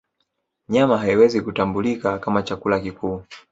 Nyama haiwezi kutambulika kama chakula kikuu